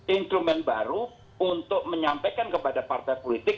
instrumen baru untuk menyampaikan kepada partai politik